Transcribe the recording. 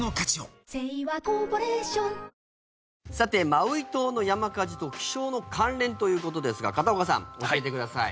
マウイ島の山火事と気象の関連ということですが片岡さん、教えてください。